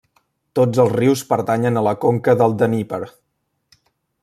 Tots els rius pertanyen a la conca del Dnièper.